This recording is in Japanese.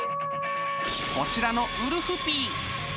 こちらのウルフピー